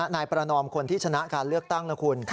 นายประนอมคนที่ชนะการเลือกตั้งนะคุณ